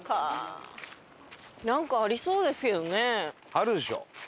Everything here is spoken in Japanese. あるでしょ。